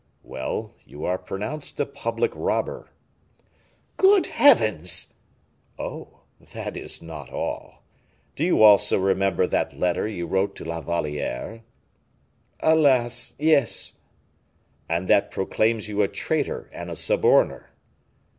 "Well, you are pronounced a public robber." "Good heavens!" "Oh! that is not all. Do you also remember that letter you wrote to La Valliere?" "Alas! yes." "And that proclaims you a traitor and a suborner."